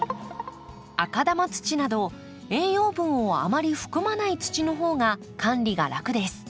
赤玉土など栄養分をあまり含まない土の方が管理が楽です。